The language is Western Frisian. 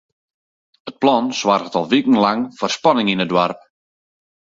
It plan soarget al wikenlang foar spanning yn it doarp.